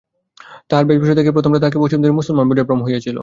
তাঁহার বেশভূষা দেখিয়া প্রথমটা তাঁহাকে পশ্চিমদেশীয় মুসলমান বলিয়া ভ্রম হইয়াছিল।